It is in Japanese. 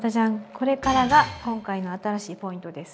これからが今回の新しいポイントです。